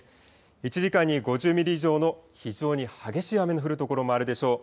１時間に５０ミリ以上の非常に激しい雨の降る所もあるでしょう。